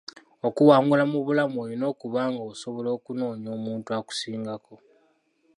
Okuwangula mu bulamu olina okuba nga osobola okunoonya omuntu akusingako.